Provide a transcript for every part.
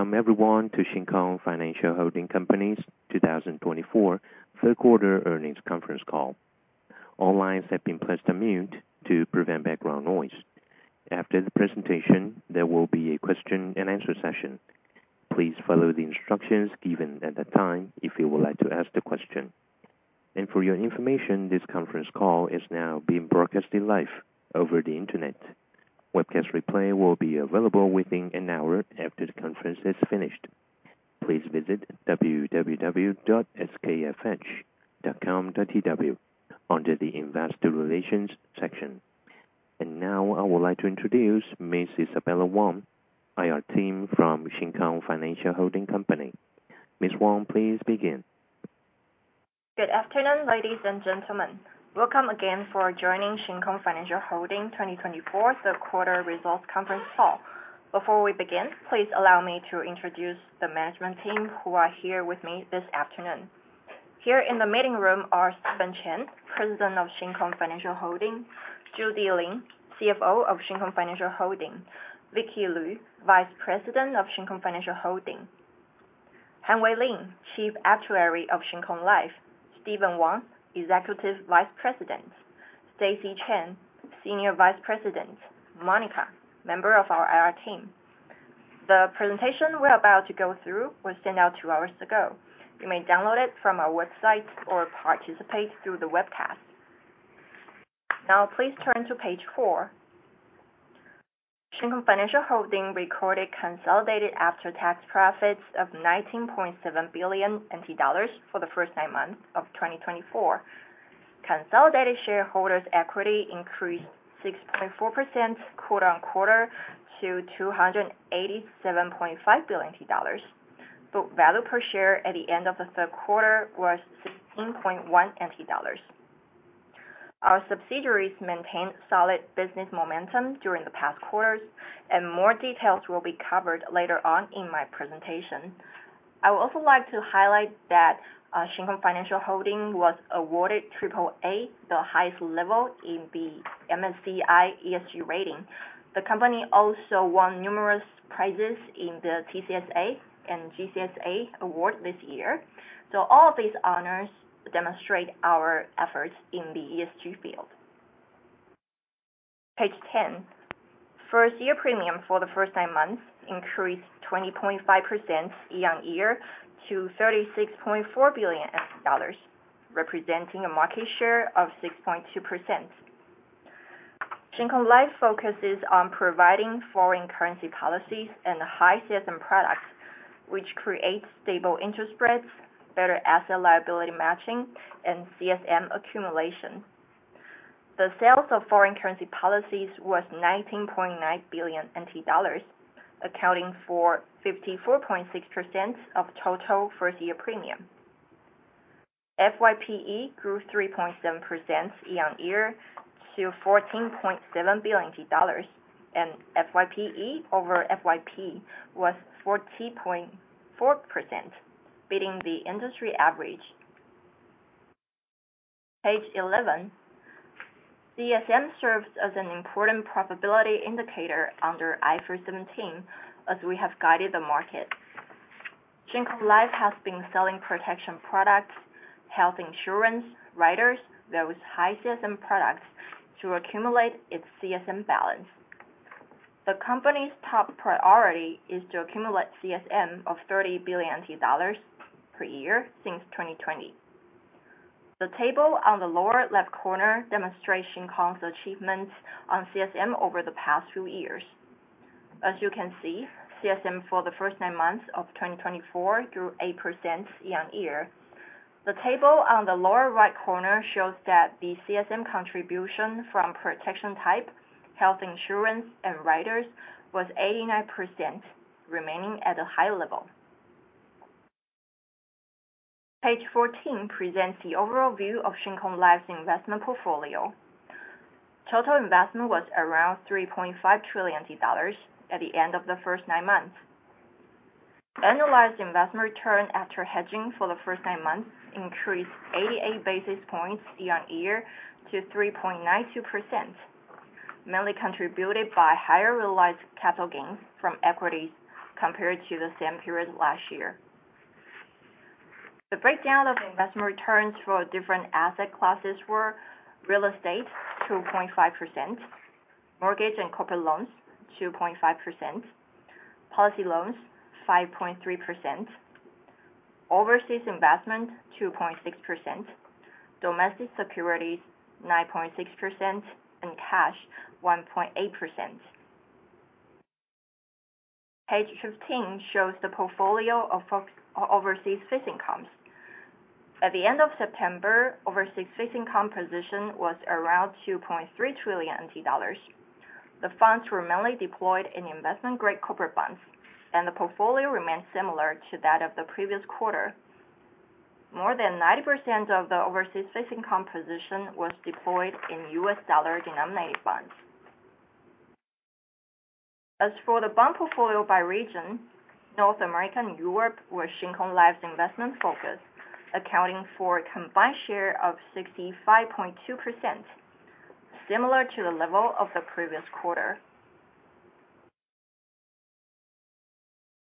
Welcome, everyone, to Shin Kong Financial Holding Company's 2024 third-quarter earnings conference call. All lines have been placed on mute to prevent background noise. After the presentation, there will be a question-and-answer session. Please follow the instructions given at that time if you would like to ask a question. For your information, this conference call is now being broadcast live over the Internet. Webcast replay will be available within an hour after the conference has finished. Please visit www.skfh.com.tw under the Investor Relations section. Now, I would like to introduce Ms. Isabella Wang, IR Team from Shin Kong Financial Holding Company. Ms. Wong, please begin. Good afternoon, ladies and gentlemen. Welcome again for joining Shin Kong Financial Holding 2024 third-quarter results conference call. Before we begin, please allow me to introduce the management team who are here with me this afternoon. Here in the meeting room are Stephen Chen, President of Shin Kong Financial Holding. Judy Lin, CFO of Shin Kong Financial Holding. Vicky Lu, Vice President of Shin Kong Financial Holding. Han-Wei Lin, Chief Actuary of Shin Kong Life. Stephen Wong, Executive Vice President. Stacy Chen, Senior Vice President. Monica, member of our IR Team. The presentation we're about to go through was sent out two hours ago. You may download it from our website or participate through the webcast. Now, please turn to page four. Shin Kong Financial Holding recorded consolidated after-tax profits of 19.7 billion NT dollars for the first nine months of 2024. Consolidated shareholders' equity increased 6.4% quarter on quarter to 287.5 billion dollars. Book value per share at the end of the third quarter was 16.1. Our subsidiaries maintained solid business momentum during the past quarters, and more details will be covered later on in my presentation. I would also like to highlight that Shin Kong Financial Holding was awarded AAA, the highest level in the MSCI ESG rating. The company also won numerous prizes in the TCSA and GCSA awards this year. So all of these honors demonstrate our efforts in the ESG field. Page 10. First-year premium for the first nine months increased 20.5% year-over-year to 36.4 billion dollars, representing a market share of 6.2%. Shin Kong Life focuses on providing foreign currency policies and high-CSM products, which creates stable interest rates, better asset liability matching, and CSM accumulation. The sales of foreign currency policies was $19.9 billion, accounting for 54.6% of total first-year premium. FYPE grew 3.7% year-over-year to $14.7 billion, and FYPE over FYP was 40.4%, beating the industry average. Page 11. CSM serves as an important profitability indicator under IFRS 17, as we have guided the market. Shin Kong Life has been selling protection products, health insurance, riders, various high-CSM products to accumulate its CSM balance. The company's top priority is to accumulate CSM of $30 billion per year since 2020. The table on the lower left corner demonstrates Shin Kong's achievements on CSM over the past few years. As you can see, CSM for the first nine months of 2024 grew 8% year-over-year. The table on the lower right corner shows that the CSM contribution from protection type, health insurance, and riders was 89%, remaining at a high level. Page 14 presents the overall view of Shin Kong Life's investment portfolio. Total investment was around 3.5 trillion dollars at the end of the first nine months. Annualized investment return after hedging for the first nine months increased 88 basis points year-over-year to 3.92%, mainly contributed by higher realized capital gains from equities compared to the same period last year. The breakdown of investment returns for different asset classes were: real estate 2.5%, mortgage and corporate loans 2.5%, policy loans 5.3%, overseas investment 2.6%, domestic securities 9.6%, and cash 1.8%. Page 15 shows the portfolio of overseas fixed income. At the end of September, overseas fixed income position was around 2.3 trillion NT dollars. The funds were mainly deployed in investment-grade corporate bonds, and the portfolio remained similar to that of the previous quarter. More than 90% of the overseas fixed income position was deployed in U.S. dollar denominated bonds. As for the bond portfolio by region, North America and Europe were Shin Kong Life's investment focus, accounting for a combined share of 65.2%, similar to the level of the previous quarter.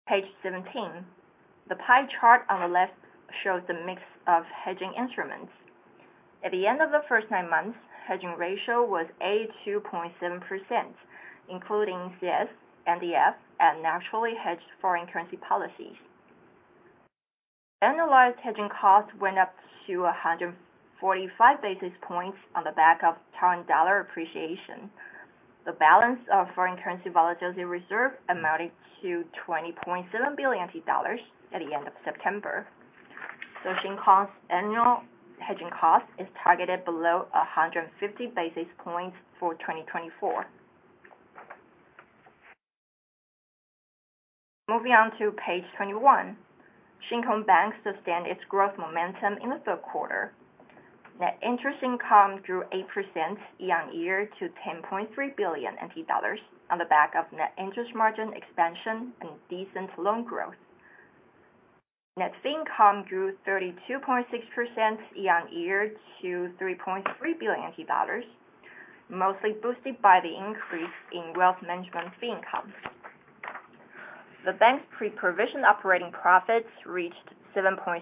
Page 17. The pie chart on the left shows the mix of hedging instruments. At the end of the first nine months, hedging ratio was 82.7%, including CS, NDF, and naturally hedged foreign currency policies. Annualized hedging cost went up to 145 basis points on the back of strong dollar appreciation. The balance of foreign currency volatility reserve amounted to 20.7 billion dollars at the end of September. So Shin Kong's annual hedging cost is targeted below 150 basis points for 2024. Moving on to page 21. Shin Kong Bank sustained its growth momentum in the third quarter. Net interest income grew 8% year-over-year to 10.3 billion NT dollars on the back of net interest margin expansion and decent loan growth. Net fee income grew 32.6% year-over-year to 3.3 billion dollars, mostly boosted by the increase in wealth management fee income. The bank's pre-provision operating profits reached 7.6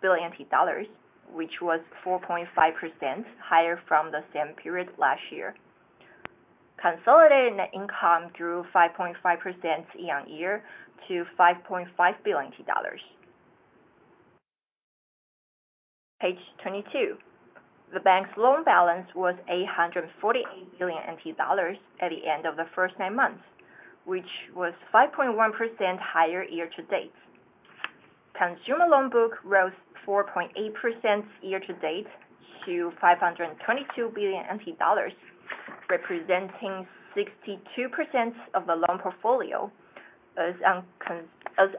billion dollars, which was 4.5% higher from the same period last year. Consolidated net income grew 5.5% year-over-year to TWD 5.5 billion. Page 22. The bank's loan balance was 848 billion NT dollars at the end of the first nine months, which was 5.1% higher year to date. Consumer loan book rose 4.8% year to date to 522 billion NT dollars, representing 62% of the loan portfolio.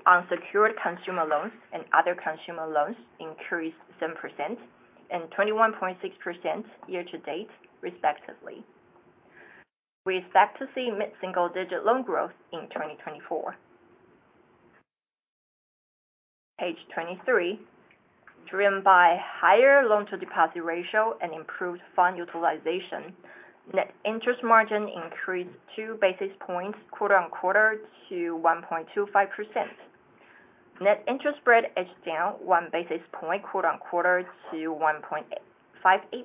Unsecured consumer loans and other consumer loans increased 7% and 21.6% year to date, respectively. We expect to see mid-single-digit loan growth in 2024. Page 23. Driven by higher loan-to-deposit ratio and improved fund utilization, net interest margin increased 2 basis points quarter on quarter to 1.25%. Net interest spread edged down 1 basis point quarter on quarter to 1.58%.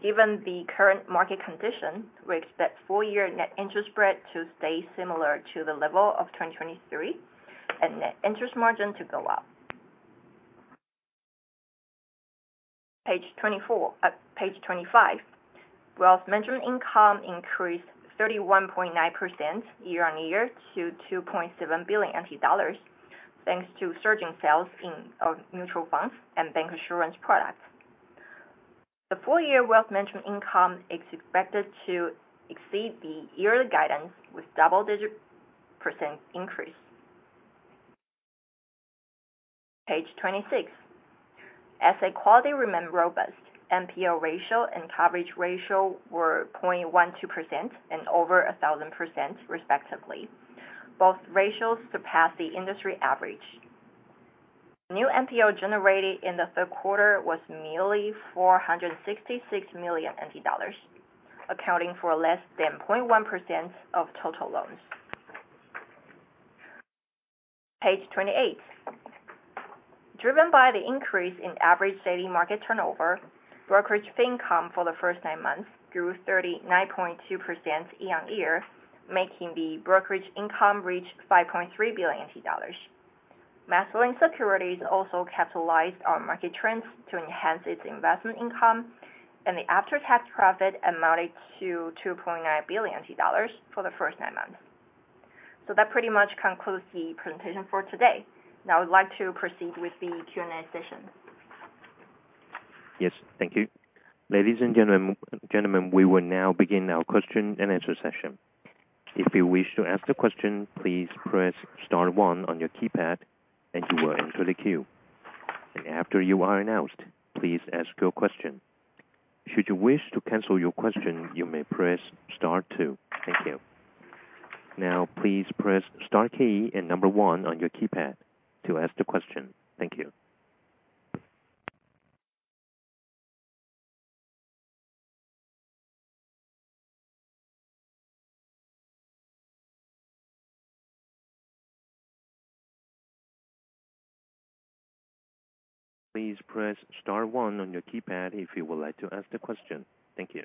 Given the current market condition, we expect four-year net interest spread to stay similar to the level of 2023 and net interest margin to go up. Page 25. Wealth management income increased 31.9% year-on-year to 2.7 billion NT dollars, thanks to surging sales of mutual funds and bancassurance products. The four-year wealth management income is expected to exceed the yearly guidance with a double-digit % increase. Page 26. Asset quality remained robust. NPL ratio and coverage ratio were 0.12% and over 1,000%, respectively. Both ratios surpassed the industry average. New NPL generated in the third quarter was merely 466 million NT dollars, accounting for less than 0.1% of total loans. Page 28. Driven by the increase in average daily market turnover, brokerage fee income for the first nine months grew 39.2% year-on-year, making the brokerage income reach $5.3 billion. MasterLink Securities also capitalized on market trends to enhance its investment income, and the after-tax profit amounted to $2.9 billion for the first nine months. So that pretty much concludes the presentation for today. Now, I would like to proceed with the Q&A session. Yes, thank you. Ladies and gentlemen, we will now begin our question-and-answer session. If you wish to ask a question, please press star one on your keypad, and you will enter the queue. And after you are announced, please ask your question. Should you wish to cancel your question, you may press star two. Thank you. Now, please press star key and number one on your keypad to ask the question. Thank you. Please press star one on your keypad if you would like to ask the question. Thank you.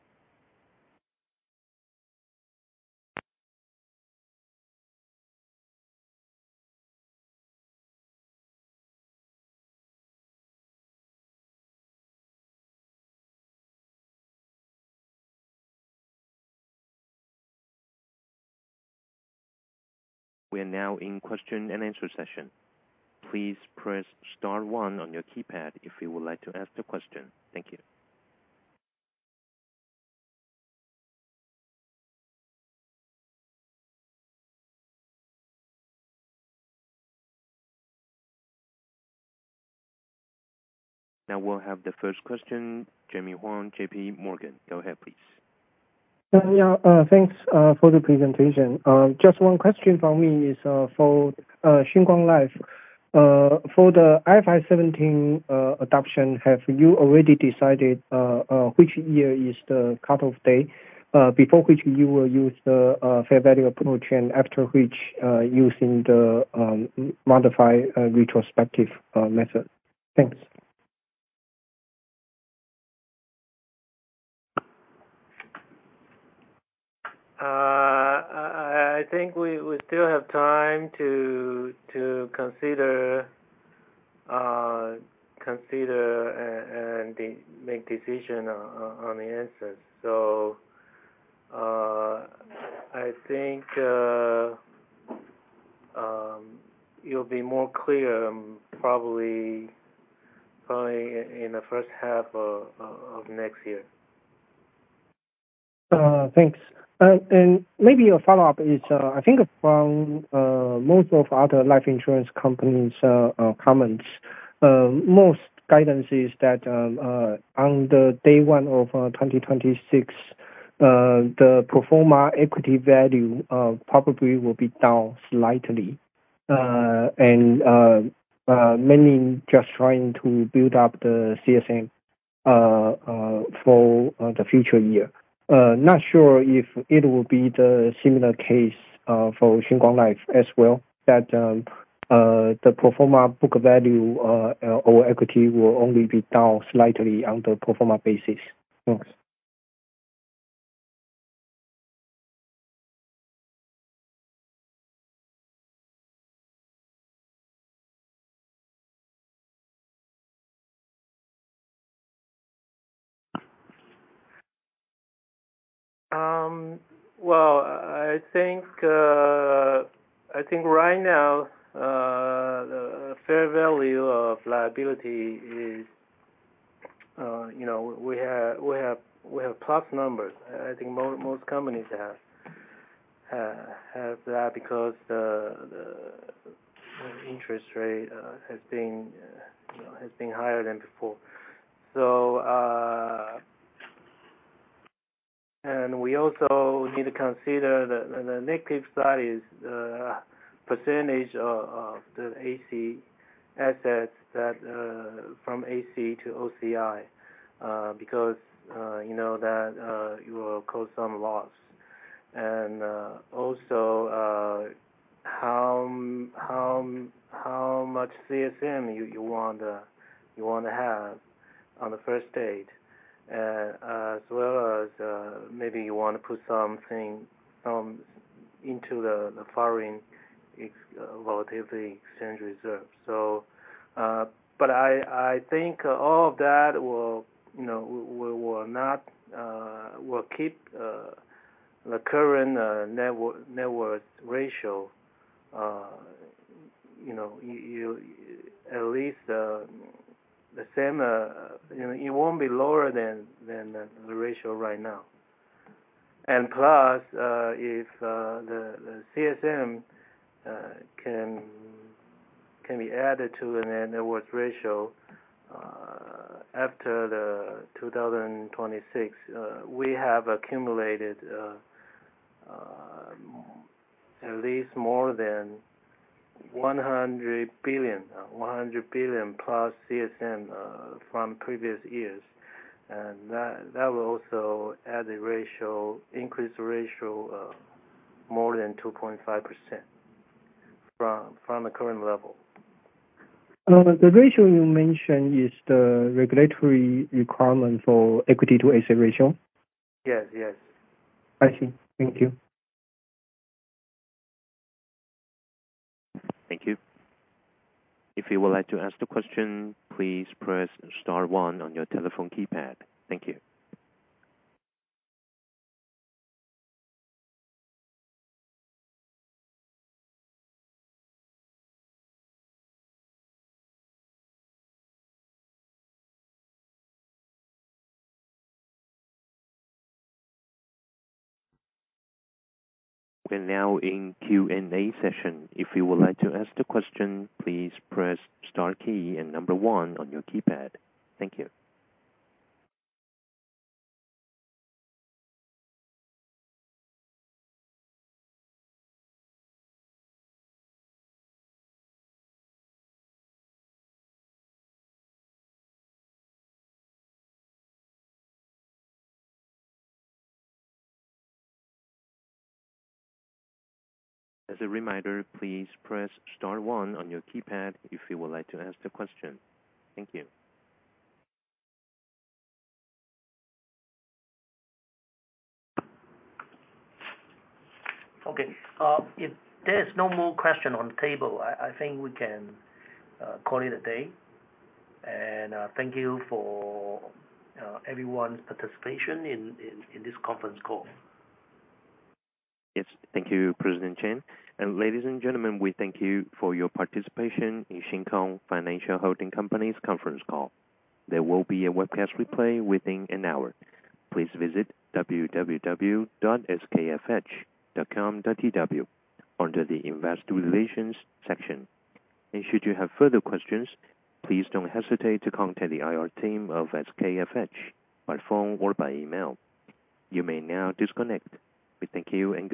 We are now in question-and-answer session. Please press star one on your keypad if you would like to ask the question. Thank you. Now, we'll have the first question, Jemmy Huang, JPMorgan. Go ahead, please. Thanks for the presentation. Just one question from me is for Shin Kong Life. For the IFRS 17 adoption, have you already decided which year is the cut-off date before which you will use the fair value approach and after which using the modified retrospective method? Thanks. I think we still have time to consider and make decision on the answers, so I think you'll be more clear probably in the first half of next year. Thanks. And maybe a follow-up is, I think, from most of other life insurance companies' comments. Most guidance is that on the day one of 2026, the pro forma equity value probably will be down slightly, and many just trying to build up the CSM for the future year. Not sure if it will be the similar case for Shin Kong Life as well, that the pro forma book value or equity will only be down slightly on the pro forma basis. Thanks. Well, I think right now, the fair value of liability is we have plus numbers. I think most companies have that because the interest rate has been higher than before. And we also need to consider the negative side is the percentage of the AC assets from AC to OCI because that will cause some loss. And also, how much CSM you want to have on the first date, as well as maybe you want to put something into the foreign currency volatility reserve. But I think all of that will not keep the current net worth ratio at least the same. It won't be lower than the ratio right now. And plus, if the CSM can be added to the net worth ratio after 2026, we have accumulated at least more than 100 billion, plus CSM from previous years. That will also add the ratio, increase the ratio more than 2.5% from the current level. The ratio you mentioned is the regulatory requirement for equity to asset ratio? Yes, yes. I see. Thank you. Thank you. If you would like to ask the question, please press star one on your telephone keypad. Thank you. We're now in Q&A session. If you would like to ask the question, please press star key and number one on your keypad. Thank you. As a reminder, please press star one on your keypad if you would like to ask the question. Thank you. Okay. If there's no more question on the table, I think we can call it a day, and thank you for everyone's participation in this conference call. Yes, thank you, President Chen. And ladies and gentlemen, we thank you for your participation in Shin Kong Financial Holding Company's conference call. There will be a webcast replay within an hour. Please visit www.skfh.com.tw under the Investor Relations section. And should you have further questions, please don't hesitate to contact the IR team of SKFH by phone or by email. You may now disconnect. We thank you and.